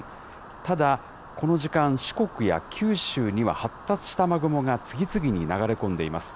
ただ、この時間、四国や九州には発達した雨雲が次々に流れ込んでいます。